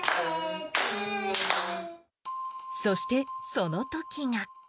そして、そのときが。